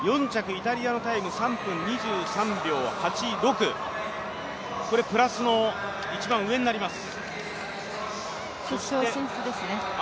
イタリアのタイム３分２３秒８６、プラスの一番上になります。